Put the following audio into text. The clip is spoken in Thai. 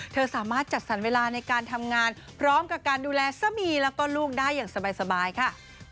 สามารถจัดสรรเวลาในการทำงานพร้อมกับการดูแลสามีแล้วก็ลูกได้อย่างสบายค่ะ